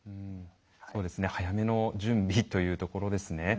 そうですね早めの準備というところですね。